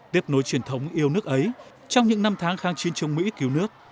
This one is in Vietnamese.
tiếp nối truyền thống yêu nước ấy trong những năm tháng kháng chiến chống mỹ cứu nước